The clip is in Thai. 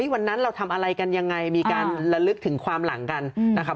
วันนั้นเราทำอะไรกันยังไงมีการระลึกถึงความหลังกันนะครับ